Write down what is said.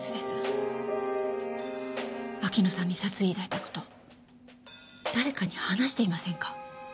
秋野さんに殺意抱いた事誰かに話していませんか？